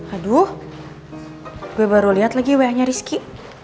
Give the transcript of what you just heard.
aduh gue baru liat lagi wehnya rizky